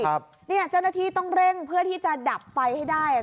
เจ้าหน้าที่ต้องเร่งเพื่อที่จะดับไฟให้ได้